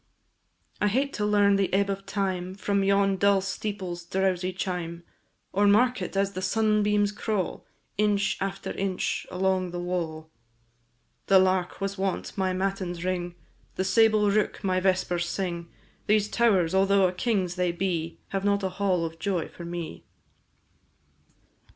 I hate to learn the ebb of time From yon dull steeple's drowsy chime, Or mark it as the sunbeams crawl, Inch after inch, along the wall. The lark was wont my matins ring, The sable rook my vespers sing: These towers, although a king's they be, Have not a hall of joy for me.